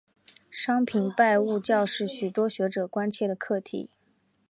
商品拜物教是许多学者关切的课题。